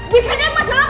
bisa deh mas lo